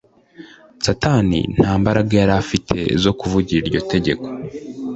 Satani nta mbaraga yari afite zo kutumvira iryo tegeko